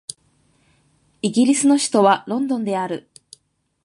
イギリスの首都はロンドンである